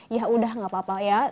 ya udah gak apa apa ya